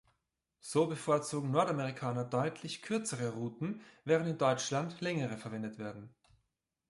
So bevorzugen Nordamerikaner deutlich kürzere Ruten, während in Deutschland längere verwendet werden.